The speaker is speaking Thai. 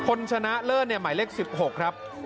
ชนะเลิศหมายเลข๑๖ครับ